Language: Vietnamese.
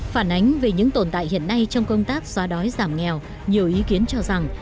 phản ánh về những tồn tại hiện nay trong công tác xóa đói giảm nghèo nhiều ý kiến cho rằng